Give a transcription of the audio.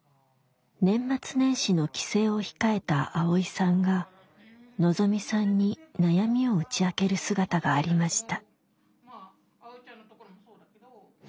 年末年始の帰省を控えたアオイさんがのぞみさんに悩みを打ち明ける姿がありました。